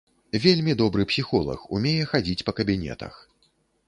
Вельмі добры псіхолаг, умее хадзіць па кабінетах.